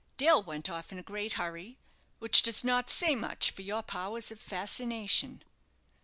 Dale went off in a great hurry, which does not say much for your powers of fascination."